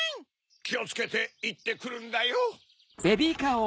きをつけていってくるんだよ。